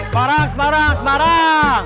semarang semarang semarang